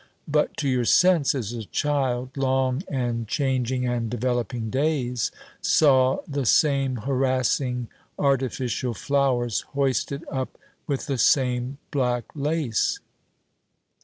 But, to your sense as a child, long and changing and developing days saw the same harassing artificial flowers hoisted up with the same black lace.